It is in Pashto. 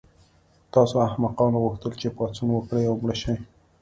تاسو احمقانو غوښتل چې پاڅون وکړئ او مړه شئ